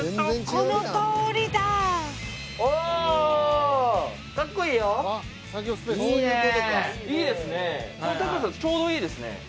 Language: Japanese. この高さちょうどいいですね。